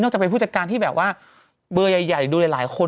จะเป็นผู้จัดการที่แบบว่าเบอร์ใหญ่ดูหลายคน